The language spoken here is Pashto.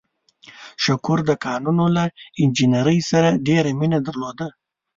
شکور د کانونو له انجنیرۍ سره ډېره مینه درلوده.